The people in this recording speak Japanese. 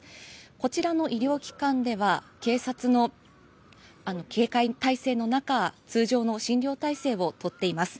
こちらの医療機関では警察の警戒態勢の中通常の診療体制をとっています。